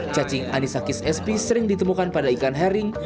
cacing anisakis esp sering ditemukan pada ikan herring